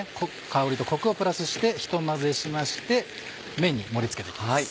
香りとコクをプラスしてひと混ぜしましてめんに盛り付けて行きます。